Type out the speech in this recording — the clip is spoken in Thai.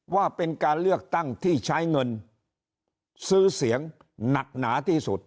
ว่าเป็นการเลือกตั้งที่ใช้เงินซื้อเสียงหนักหนาที่สุด